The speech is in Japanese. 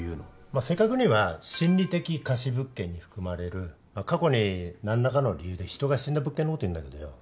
まあ正確には心理的かし物件に含まれるまあ過去に何らかの理由で人が死んだ物件のことをいうんだけどよ。